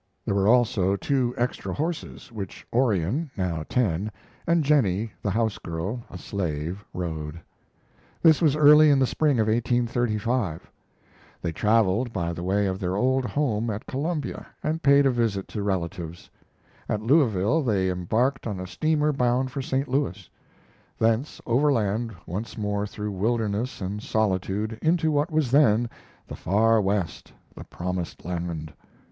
There were also two extra horses, which Orion, now ten, and Jennie, the house girl, a slave, rode. This was early in the spring of 1835. They traveled by the way of their old home at Columbia, and paid a visit to relatives. At Louisville they embarked on a steamer bound for St. Louis; thence overland once more through wilderness and solitude into what was then the Far West, the promised land.